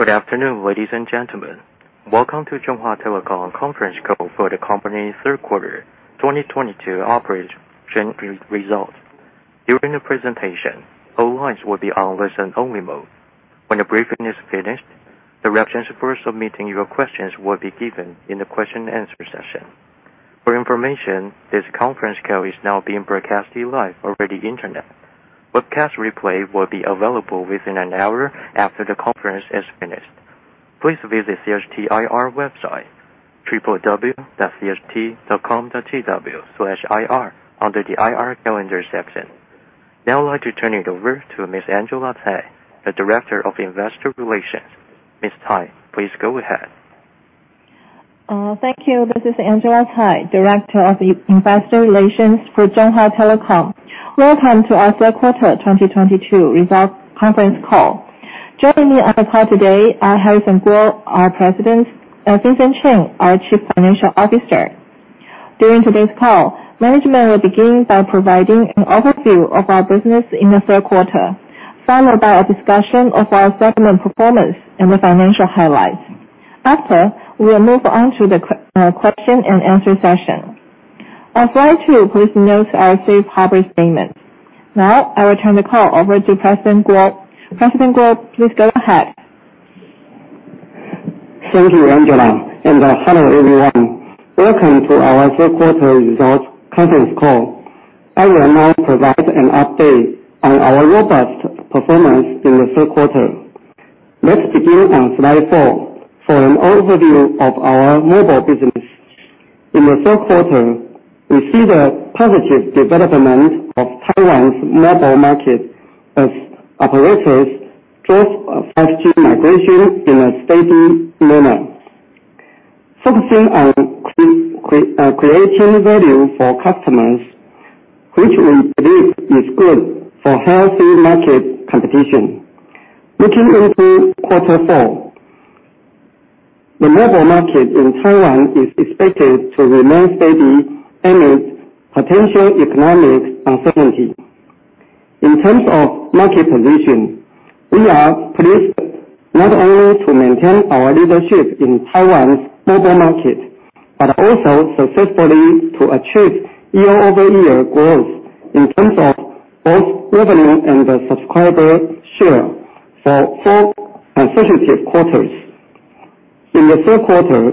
Good afternoon, ladies and gentlemen. Welcome to Chunghwa Telecom conference call for the company's third quarter 2022 operation results. During the presentation, all lines will be on listen-only mode. When the briefing is finished, directions for submitting your questions will be given in the question answer session. For information, this conference call is now being broadcasted live over the Internet. Webcast replay will be available within an hour after the conference is finished. Please visit CHT IR website, www.cht.com.tw/IR under the IR Calendar section. Now I'd like to turn it over to Ms. Angela Tsai, the Director of Investor Relations. Ms. Tsai, please go ahead. Thank you. This is Angela Tsai, Director of Investor Relations for Chunghwa Telecom. Welcome to our third quarter 2022 results conference call. Joining me on the call today are Shui-Yi Kuo, our President, and Vincent Y.S. Chen, our Chief Financial Officer. During today's call, management will begin by providing an overview of our business in the third quarter, followed by a discussion of our segment performance and the financial highlights. After, we'll move on to the Q&A session. Please note our safe harbor statement. Now I will turn the call over to President Kuo. President Kuo, please go ahead. Thank you, Angela, and hello, everyone. Welcome to our third quarter results conference call. I will now provide an update on our robust performance in the third quarter. Let's begin on slide 4 for an overview of our mobile business. In the third quarter, we see the positive development of Taiwan's mobile market as operators drove 5G migration in a steady manner. Focusing on creating value for customers, which we believe is good for healthy market competition. Looking into quarter four, the mobile market in Taiwan is expected to remain steady amidst potential economic uncertainty. In terms of market position, we are pleased not only to maintain our leadership in Taiwan's mobile market, but also successfully to achieve year-over-year growth in terms of both revenue and the subscriber share for four consecutive quarters. In the third quarter,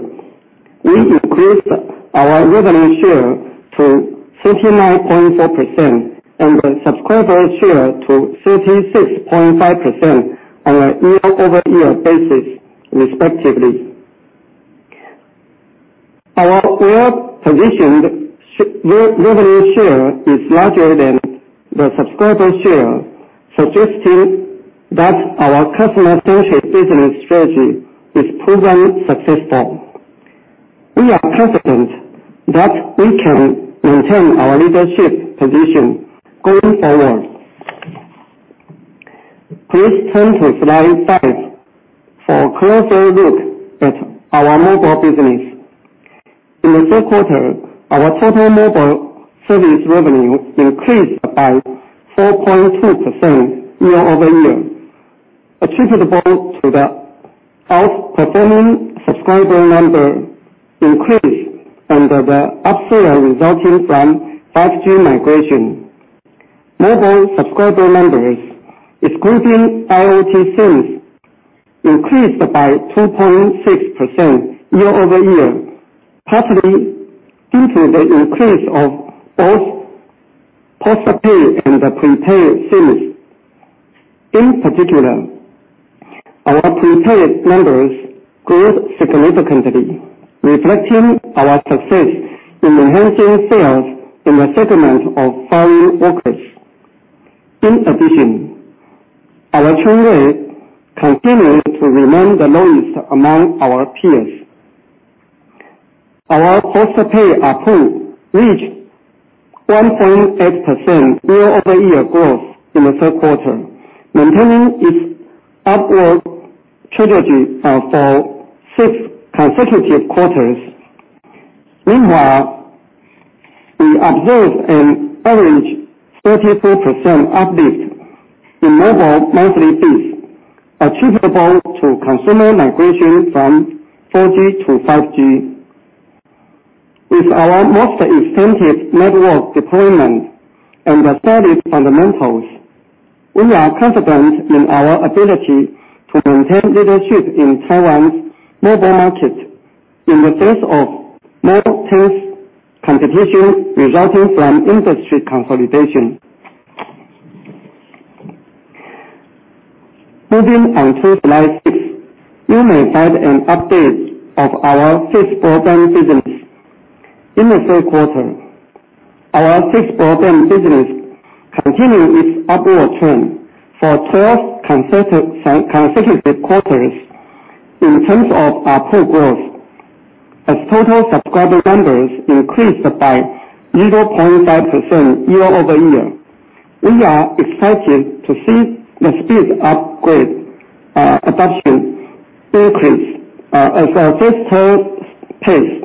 we increased our revenue share to 59.4% and the subscriber share to 36.5% on a year-over-year basis, respectively. Our well-positioned revenue share is larger than the subscriber share, suggesting that our customer-centric business strategy is proven successful. We are confident that we can maintain our leadership position going forward. Please turn to slide five for a closer look at our mobile business. In the third quarter, our total mobile service revenue increased by 4.2% year-over-year, attributable to the outperforming subscriber number increase under the upsale resulting from 5G migration. Mobile subscriber numbers, excluding IoT SIMs, increased by 2.6% year-over-year, partly due to the increase of both post-paid and the prepaid SIMs. In particular, our prepaid numbers grew significantly, reflecting our success in enhancing sales in the segment of foreign workers. In addition, our churn rate continues to remain the lowest among our peers. Our post-paid ARPU reached 1.8% year-over-year growth in the third quarter, maintaining its upward trajectory for six consecutive quarters. Meanwhile, we observed an average 34% uplift in mobile monthly fees attributable to consumer migration from 4G-5G. With our most extensive network deployment and the solid fundamentals, we are confident in our ability to maintain leadership in Taiwan's mobile market in the face of more intense competition resulting from industry consolidation. Moving on to slide six you may find an update of our fixed broadband business. In the third quarter, our fixed broadband business continued its upward trend for 12 consecutive quarters in terms of ARPU growth, as total subscriber numbers increased by 0.5% year-over-year. We are expecting to see the speed upgrade adoption increase at a faster pace.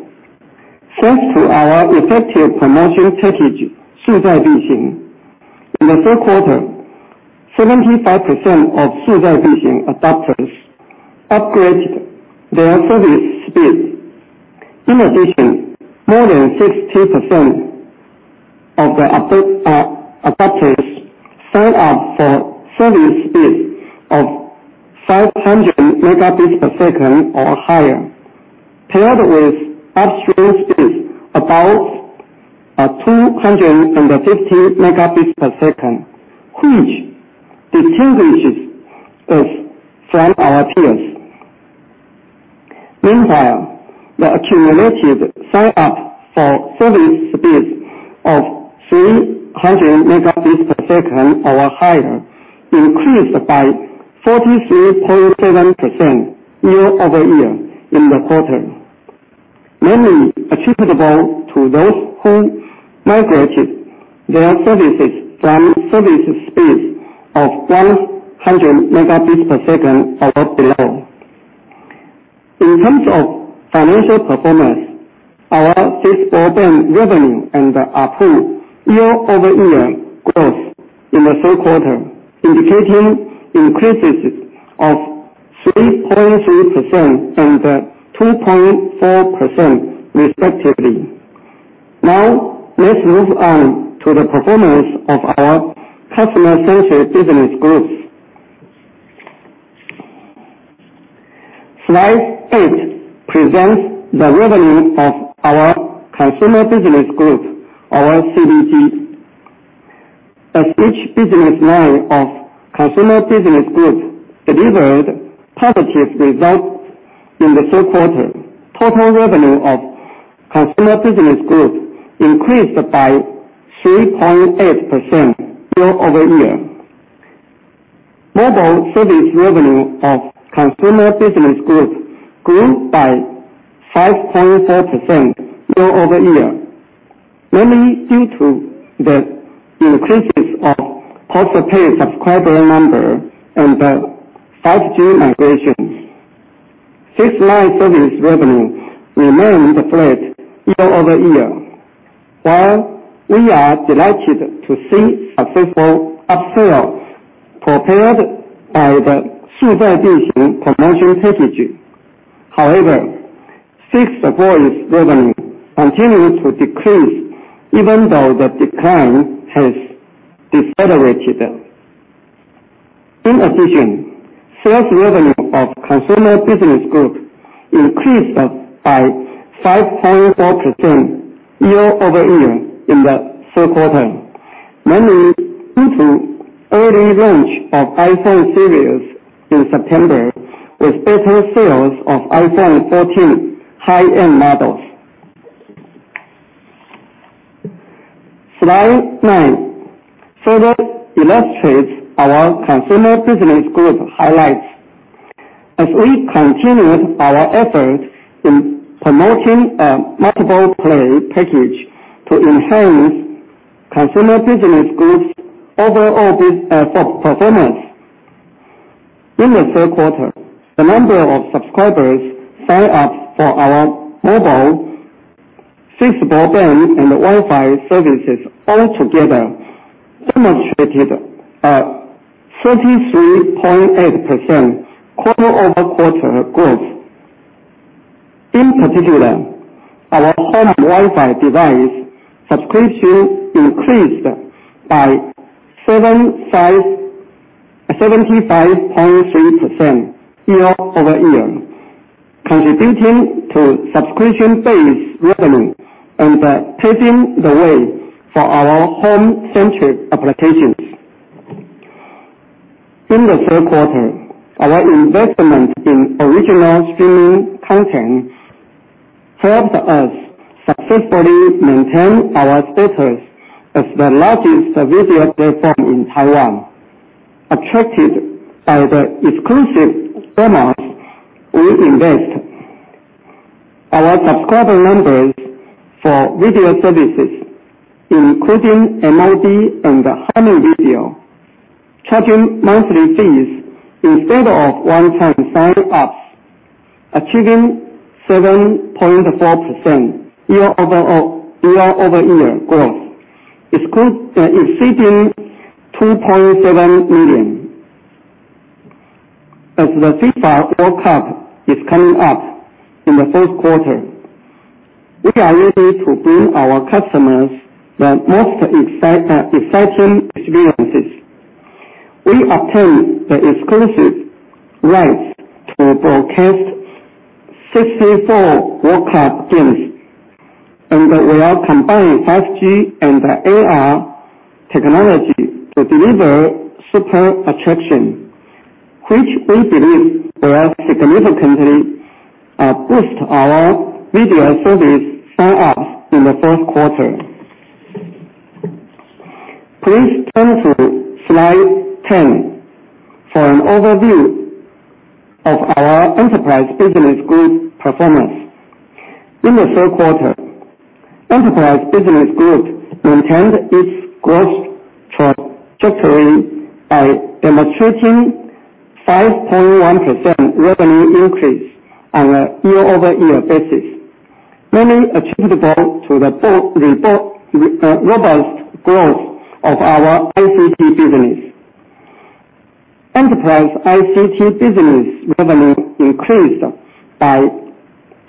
Thanks to our effective promotion strategy, in the third quarter, 75% of subscribers upgraded their service speed. In addition, more than 60% of the upgraded subscribers signed up for service speeds of 500 Mbps or higher, paired with upstream speeds above 250 Mbps, which distinguishes us from our peers. Meanwhile, the accumulated sign-up for service speeds of 300 Mbps or higher increased by 43.7% year-over-year in the quarter, mainly attributable to those who migrated their services from service speeds of 100 Mbps or below. In terms of financial performance, our fixed broadband revenue and the ARPU year-over-year growth in the third quarter indicating increases of 3.3% and 2.4% respectively. Now, let's move on to the performance of our customer-centric business groups. Slide eight presents the revenue of our consumer business group, or CBG. As each business line of consumer business group delivered positive results in the third quarter, total revenue of consumer business group increased by 3.8% year-over-year. Mobile service revenue of Consumer Business Group grew by 5.4% year-over-year, mainly due to the increases of post-paid subscriber number and the 5G migrations. Fixed line service revenue remained flat year-over-year. While we are delighted to see successful upsells propelled by the promotion strategy, however, fixed service revenue continued to decrease, even though the decline has decelerated. In addition, sales revenue of Consumer Business Group increased by 5.4% year-over-year in the third quarter, mainly due to early launch of iPhone series in September with better sales of iPhone 14 high-end models. Slide nine further illustrates our Consumer Business Group highlights as we continued our efforts in promoting a multiple play package to enhance Consumer Business Group's overall performance. In the third quarter, the number of subscribers sign up for our mobile fixed broadband and Wi-Fi services altogether demonstrated a 33.8% quarter-over-quarter growth. In particular, our home Wi-Fi device subscription increased by 75.3% year-over-year, contributing to subscription-based revenue and paving the way for our home-centric applications. In the third quarter, our investment in original streaming content helped us successfully maintain our status as the largest video platform in Taiwan. Attracted by the exclusive dramas we invest, our subscriber numbers for video services, including MOD and Hami Video, charging monthly fees instead of one-time sign-ups, achieving 7.4% year-over-year growth, exceeding 2.7 million. As the FIFA World Cup is coming up in the fourth quarter, we are ready to bring our customers the most exciting experiences. We obtained the exclusive rights to broadcast 64 World Cup games, and we are combining 5G and AR technology to deliver super attraction, which we believe will significantly boost our video service sign-ups in the fourth quarter. Please turn to slide 10 for an overview of our enterprise business group performance. In the third quarter, enterprise business group maintained its growth trajectory by demonstrating 5.1% revenue increase on a year-over-year basis, mainly attributable to the robust growth of our ICT business. Enterprise ICT business revenue increased by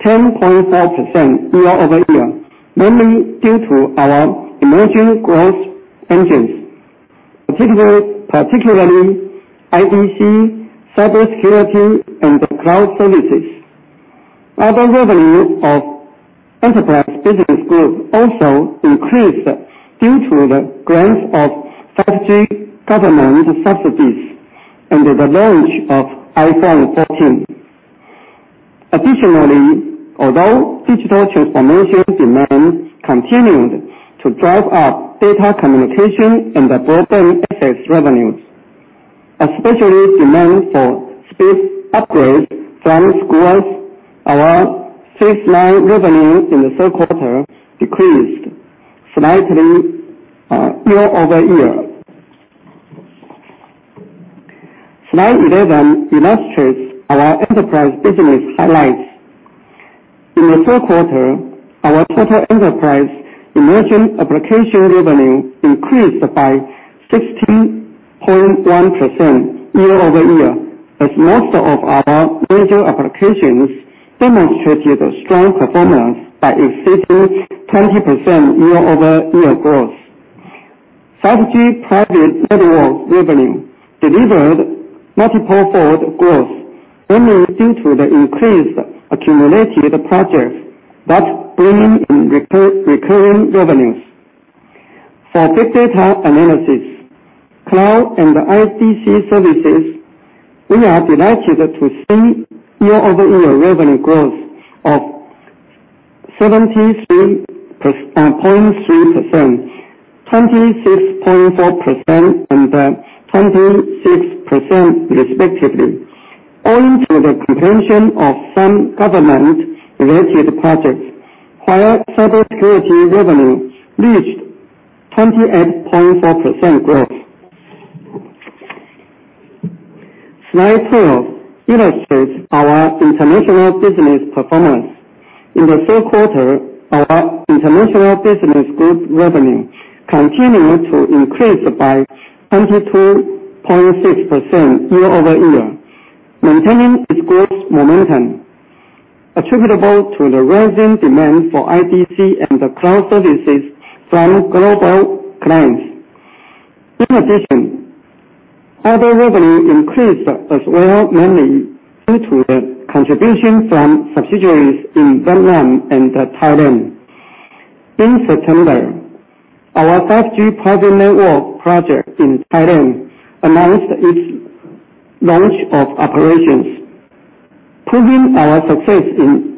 10.4% year-over-year, mainly due to our emerging growth engines, particularly IDC, cybersecurity, and cloud services. Other revenue of enterprise business group also increased due to the grants of 5G government subsidies and the launch of iPhone 14. Additionally, although digital transformation demands continued to drive up data communication and the broadband access revenues, especially demand for speed upgrades from schools, our fixed line revenue in the third quarter decreased slightly, year-over-year. Slide 11 illustrates our enterprise business highlights. In the third quarter, our total enterprise emerging application revenue increased by 16.1% year-over-year, as most of our major applications demonstrated a strong performance by exceeding 20% year-over-year growth. 5G private networks revenue delivered multiple fold growth, mainly due to the increased accumulated projects, but bringing in recurring revenues. For big data analysis, cloud and IDC services, we are delighted to see year-over-year revenue growth of 73.3%, 26.4%, and 26% respectively, owing to the completion of some government-related projects, while cybersecurity revenue reached 28.4% growth. Slide 12 illustrates our international business performance. In the third quarter, our international business group revenue continued to increase by 22.6% year-over-year, maintaining its growth momentum, attributable to the rising demand for IDC and the cloud services from global clients. In addition, other revenue increased as well, mainly due to the contribution from subsidiaries in Vietnam and Thailand. In September, our 5G private network project in Thailand announced its launch of operations, proving our success in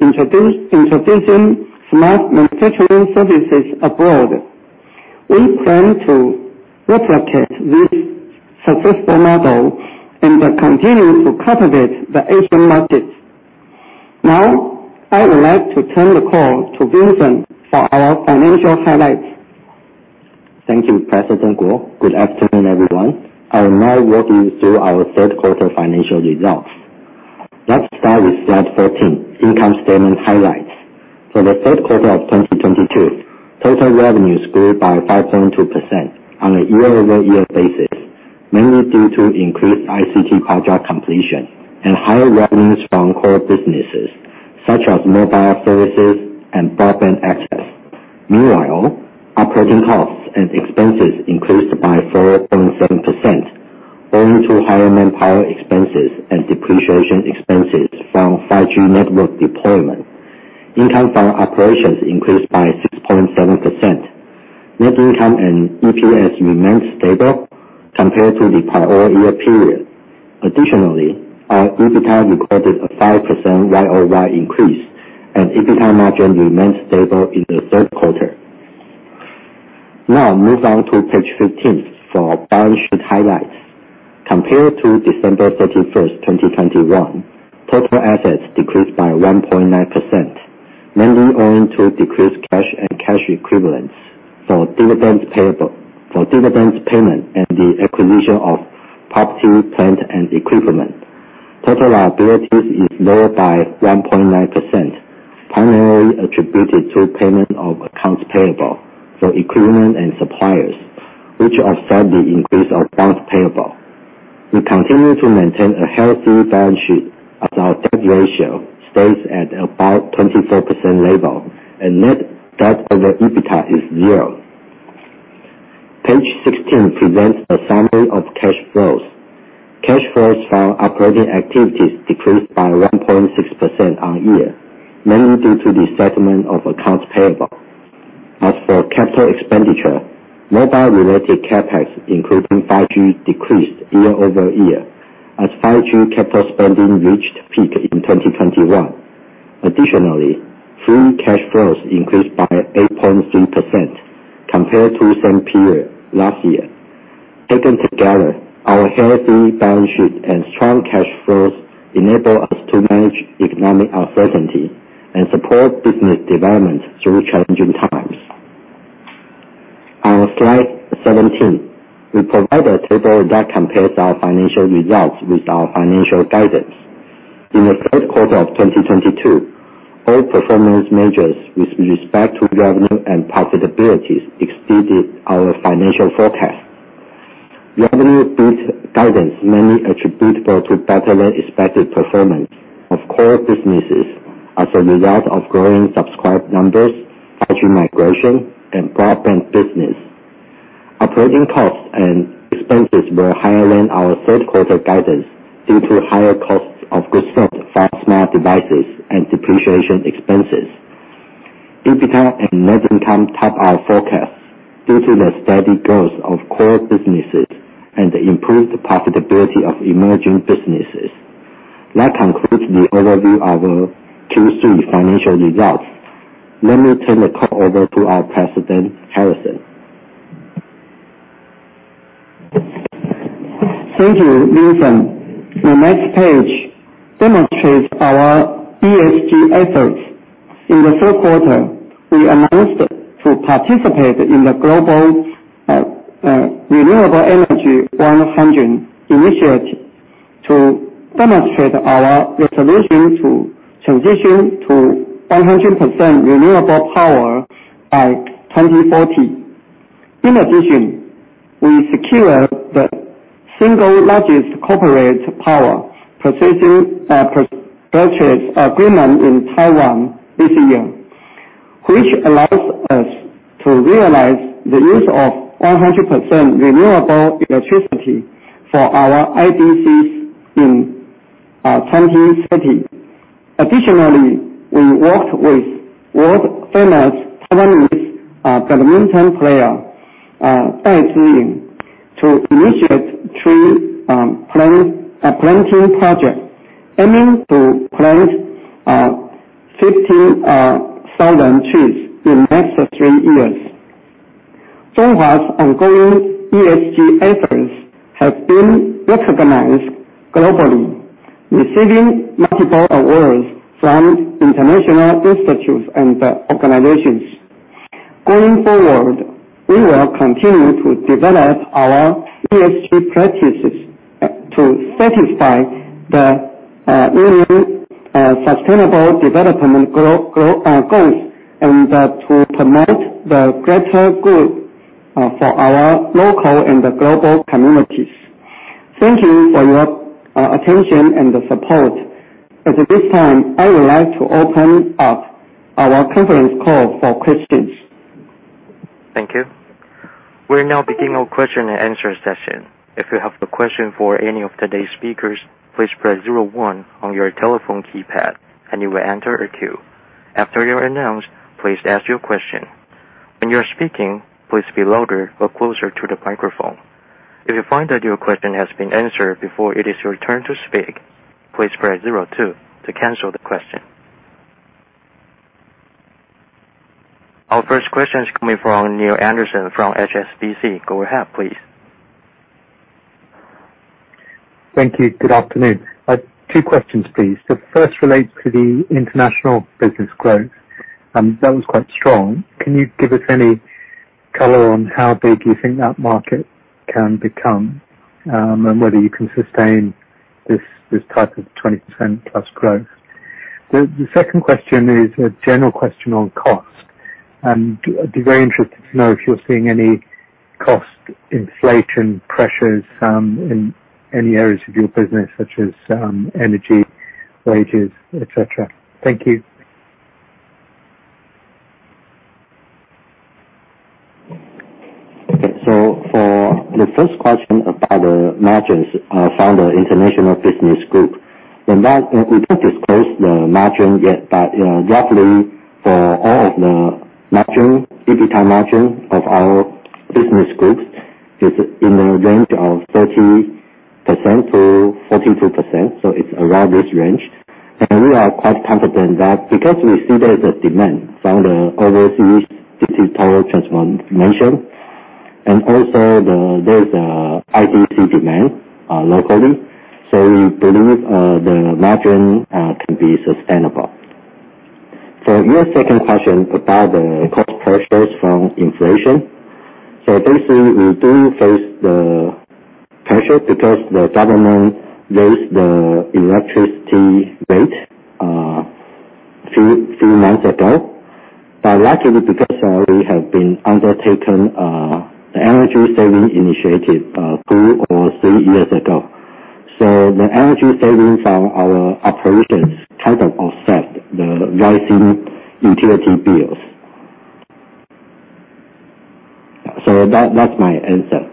introducing smart manufacturing services abroad. We plan to replicate this successful model and continue to cultivate the Asian markets. Now, I would like to turn the call to Vincent for our financial highlights. Thank you, President Kuo. Good afternoon, everyone. I will now walk you through our third quarter financial results. Let's start with slide 14, income statement highlights. For the third quarter of 2022, total revenues grew by 5.2% on a year-over-year basis, mainly due to increased ICT project completion and higher revenues from core businesses such as mobile services and broadband access. Meanwhile, operating costs and expenses increased by 4.7% owing to higher manpower expenses and depreciation expenses from 5G network deployment. Income from operations increased by 6.7%. Net income and EPS remained stable compared to the prior year period. Additionally, our EBITDA recorded a 5% Y-O-Y increase, and EBITDA margin remained stable in the third quarter. Now move on to page 15 for balance sheet highlights. Compared to December 31, 2021, total assets decreased by 1.9%, mainly owing to decreased cash and cash equivalents for dividends payment and the acquisition of property, plant, and equipment. Total liabilities is lower by 1.9%, primarily attributed to payment of accounts payable for equipment and suppliers, which offset the increase of accounts payable. We continue to maintain a healthy balance sheet as our debt ratio stays at about 24% level and net debt/EBITDA is zero. Page 16 presents a summary of cash flows. Cash flows from operating activities decreased by 1.6% year-over-year, mainly due to the settlement of accounts payable. As for capital expenditure, mobile-related CapEx, including 5G, decreased year-over-year as 5G capital spending reached peak in 2021. Additionally, free cash flows increased by 8.3% compared to same period last year. Taken together, our healthy balance sheet and strong cash flows enable us to manage economic uncertainty and support business development through challenging times. On slide 17, we provide a table that compares our financial results with our financial guidance. In the third quarter of 2022, all performance measures with respect to revenue and profitability exceeded our financial forecast. Revenue beat guidance mainly attributable to better than expected performance of core businesses as a result of growing subscriber numbers, 5G migration, and broadband business. Operating costs and expenses were higher than our third quarter guidance due to higher cost of goods sold from smart devices and depreciation expenses. EBITDA and net income topped our forecasts due to the steady growth of core businesses and the improved profitability of emerging businesses. That concludes the overview of Q3 financial results. Let me turn the call over to our President, Harrison. Thank Vincent Chen. the next page demonstrates our ESG efforts. In the third quarter, we announced to participate in the global Renewable Energy 100 Initiative to demonstrate our resolution to transition to 100% renewable power by 2040. In addition, we secured the single largest corporate power purchase agreement in Taiwan this year, which allows us to realize the use of 100% renewable electricity for our IDCs in Zhongli. Additionally, we worked with world famous Taiwanese badminton player Tai Tzu-ying to initiate three planting projects aiming to plant 50,000 trees in the next three years. Our ongoing ESG efforts have been recognized globally, receiving multiple awards from international institutes and organizations. Going forward, we will continue to develop our ESG practices, to satisfy the UN sustainable development goals and to promote the greater good for our local and the global communities. Thank you for your attention and the support. At this time, I would like to open up our conference call for questions. Thank you. We're now beginning our Q&A session. If you have a question for any of today's speakers, please press zero one on your telephone keypad, and you will enter a queue. After you are announced, please ask your question. When you are speaking, please speak louder or closer to the microphone. If you find that your question has been answered before it is your turn to speak, please press zero two to cancel the question. Our first question is coming from Neil Anderson from HSBC. Go ahead, please. Thank you. Good afternoon. I have two questions, please. The first relates to the international business growth. That was quite strong. Can you give us any color on how big you think that market can become, and whether you can sustain this type of 20%+ growth? The second question is a general question on cost. I'd be very interested to know if you're seeing any cost inflation pressures, in any areas of your business, such as, energy, wages, et cetera. Thank you. Okay. For the first question about the margins from the international business group. We don't disclose the margin yet. You know, roughly for all of the margin, EBITDA margin of our business groups is in the range of 30%-42%, so it's around this range. We are quite confident that because we see there's a demand from the overseas digital transformation, and also there's a IDC demand locally. We believe the margin can be sustainable. For your second question about the cost pressures from inflation. This year, we do face the pressure because the government raised the electricity rate few months ago. Luckily, because we have been undertaking the energy saving initiative two or three years ago. The energy savings on our operations kind of offset the rising utility bills. That's my answer.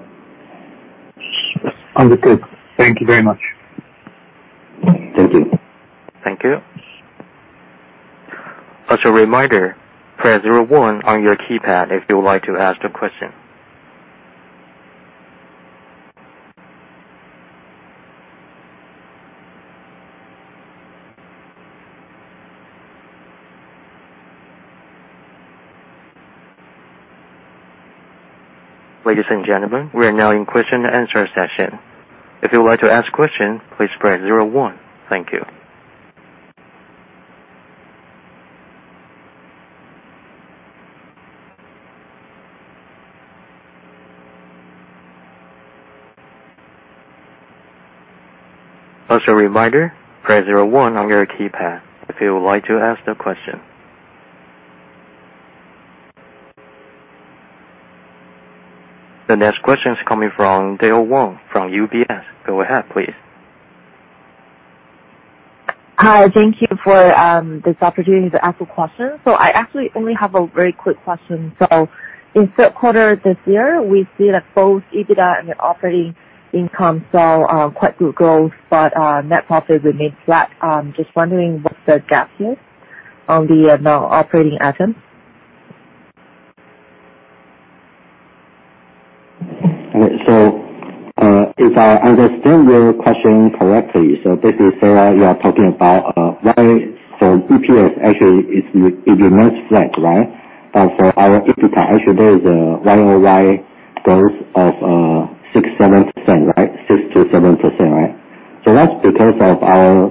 Understood. Thank you very much. Thank you. Thank you. As a reminder, press zero one on your keypad if you would like to ask a question. Ladies and gentlemen, we are now in Q&A session. If you would like to ask question, please press zero one. Thank you. Also a reminder, press zero one on your keypad if you would like to ask a question. The next question is coming from Dahlia Wong from UBS. Go ahead, please. Hi. Thank you for this opportunity to ask a question. I actually only have a very quick question. In third quarter this year, we see that both EBITDA and the operating income saw quite good growth, but net profit remains flat. Just wondering what the gap is on the non-operating items? All right. If I understand your question correctly, basically you are talking about why our EPS actually it remains flat, right? For our EBITDA, actually there is a Y-O-Y growth of 6%-7%, right? That's because of our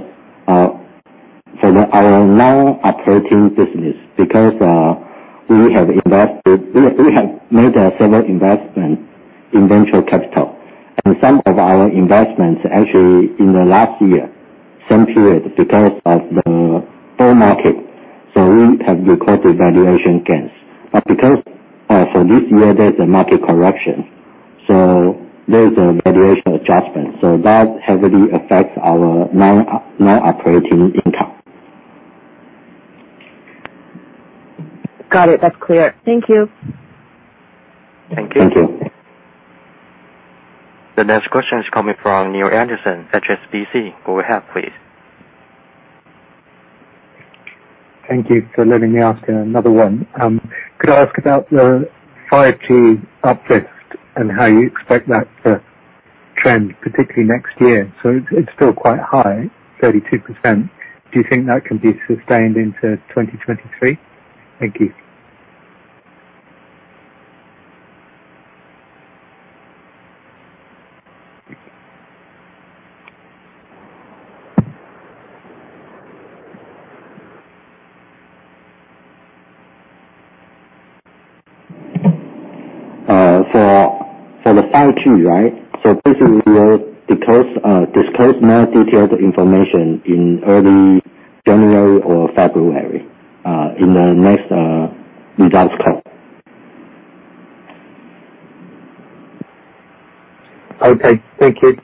non-operating business because we have made several investments in venture capital. Some of our investments, actually, in the last year, same period, because of the bull market, so we have recorded valuation gains. Because for this year, there's a market correction, so there's a valuation adjustment. That heavily affects our non-operating income. Got it. That's clear. Thank you. Thank you. The next question is coming from Neil Anderson, HSBC. Go ahead, please. Thank you for letting me ask another one. Could I ask about the 5G uplift and how you expect that to trend, particularly next year? It's still quite high, 32%. Do you think that can be sustained into 2023? Thank you. For the 5G, right? Basically we'll disclose more detailed information in early January or February, in the next results call. Okay, thank you.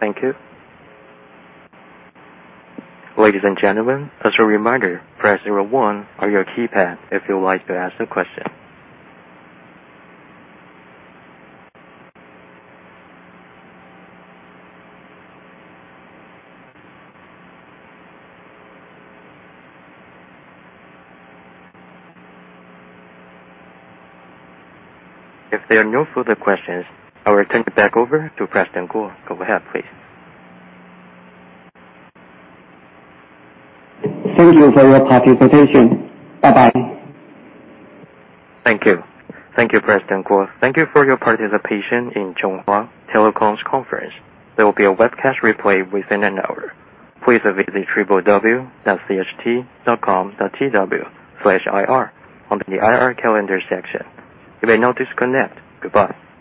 Thank you. Ladies and gentlemen, as a reminder, press zero one on your keypad if you would like to ask a question. If there are no further questions, I will turn it back over to Shui-Yi Kuo. Go ahead, please. Thank you for your participation. Bye-bye. Thank you. Thank you, Shui-Yi Kuo. Thank you for your participation in Chunghwa Telecom's conference. There will be a webcast replay within an hour. Please visit www.cht.com.tw/ir under the IR calendar section. You may now disconnect. Goodbye.